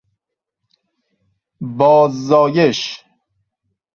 باززایش